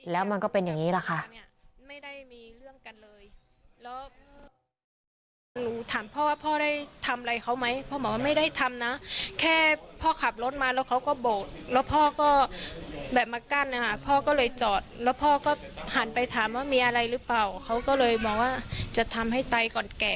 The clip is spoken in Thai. แล้วมันก็เป็นอย่างนี้แหละค่ะ